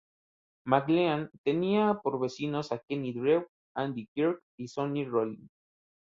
McLean tenía por vecinos a Kenny Drew, Andy Kirk y Sonny Rollins.